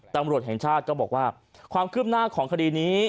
ตำรวจแห่งชาติก็บอกว่าความคืบหน้าของคดีนี้